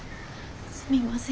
すみません。